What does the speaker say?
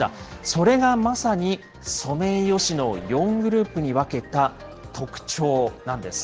それがまさにソメイヨシノを４グループに分けた特徴なんです。